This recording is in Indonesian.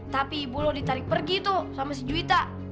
tapi ibu lo ditarik pergi tuh sama si juwita